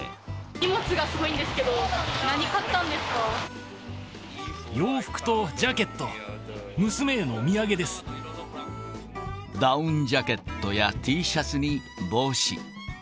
荷物がすごいんですけど、洋服とジャケット、ダウンジャケットやＴシャツに帽子。